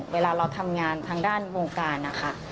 เวลาเราทำงานทางด้านวงการนะคะ